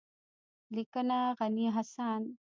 لیکنه: غني حسن